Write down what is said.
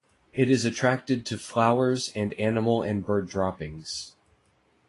It is attracted to flowers and animal and bird droppings.